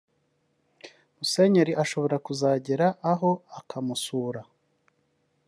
“Musenyeri ashobora kuzagera aho akamusura